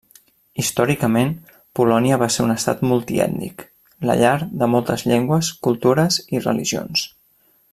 Històricament, Polònia va ser un estat multiètnic, la llar de moltes llengües, cultures i religions.